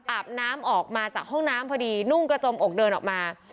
อาบน้ำออกมาจากห้องน้ำพอดีนุ่งกระจมอกเดินออกมา